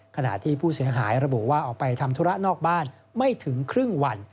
ขณะที่ผู้เสียหายระบุว่าออกไปทำธุระนอกบ้านไม่ถึงครึ่งวัน